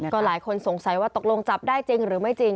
ก็หลายคนสงสัยว่าตกลงจับได้จริงหรือไม่จริง